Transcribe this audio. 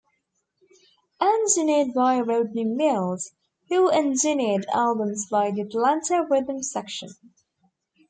Engineered by Rodney Mills, who engineered albums by The Atlanta Rhythm Section.